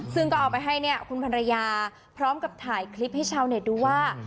ซึ่งก็เอาไปให้เนี่ยคุณภรรยาพร้อมกับถ่ายคลิปให้ชาวเน็ตดูว่า